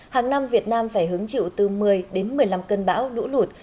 hàng năm việt nam phải hứng chịu từ một mươi đến một mươi năm cơn bão lũ lụt